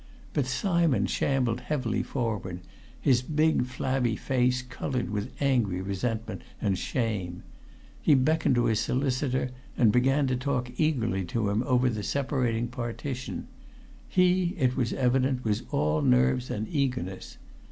But Simon shambled heavily forward, his big, flabby face coloured with angry resentment and shame. He beckoned to his solicitor and began to talk eagerly to him over the separating partition; he, it was evident, was all nerves and eagerness.